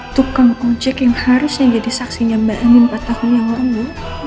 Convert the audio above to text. tukang ojek yang harusnya jadi saksinya mbak ani empat tahun yang lalu